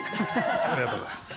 ありがとうございます。